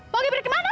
bagi duit kemana lo